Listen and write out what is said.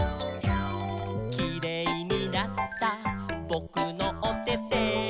「キレイになったぼくのおてて」